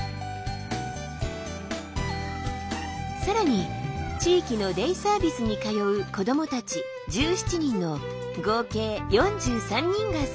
更に地域のデイサービスに通う子どもたち１７人の合計４３人が参加。